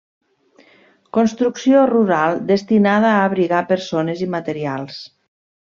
Construcció rural destinada a abrigar persones i materials.